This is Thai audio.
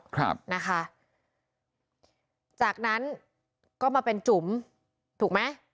ครับนะคะจากนั้นก็มาเป็นจุ๋มถูกไหม